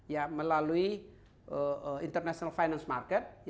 ya melalui international finance market